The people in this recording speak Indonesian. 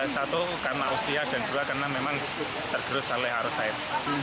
satu karena usia dan dua karena memang tergerus oleh arus air